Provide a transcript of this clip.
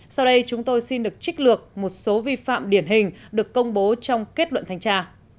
sau đây chúng tôi xin được trích lược một số vi phạm điển hình được công bố trong kết luận thanh tra